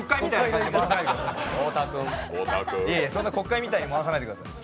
そんな国会みたいに回さないでください。